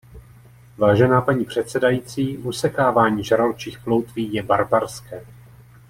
Vážená paní předsedající, usekávání žraločích ploutví je barbarské.